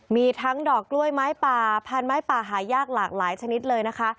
มีทั้งดอกกล้วยไม้ป่าพันไม้ป่าหายากหลากหลายชนิดเลยนะคะ